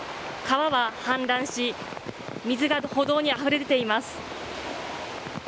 川は氾濫し水が歩道にあふれ出ています。